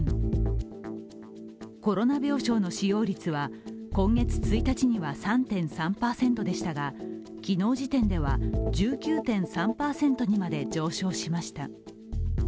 コロナ病床の使用率は今月１日には３．３％でしたが昨日時点では１９．３％にまで上昇しました。